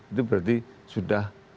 itu berarti sudah